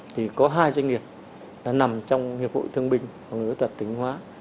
thì có hai doanh nghiệp đã nằm trong hiệp hội thương bình và người kết thuật tỉnh hóa